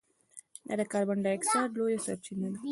دا د کاربن ډای اکسایډ لویه سرچینه ده.